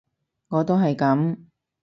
我都係噉